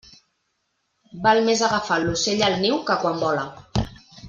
Val més agafar l'ocell al niu que quan vola.